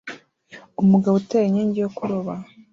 Umugabo utera inkingi yo kuroba